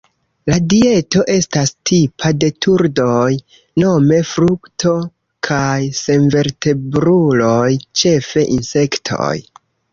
La dieto estas tipa de turdoj: nome frukto kaj senvertebruloj, ĉefe insektoj.